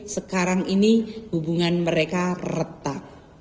sekarang ini hubungan mereka retak